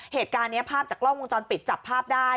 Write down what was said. เหตุการณ์นี้ภาพจากกล้องวงจรปิดจับภาพได้